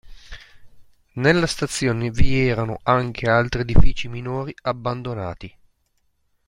Nella stazione vi erano anche altri edifici minori, abbandonati.